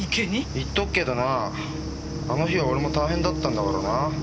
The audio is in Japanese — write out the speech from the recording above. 言っとくけどなぁあの日は俺も大変だったんだからな。